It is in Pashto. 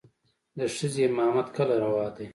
د ښځې امامت کله روا دى.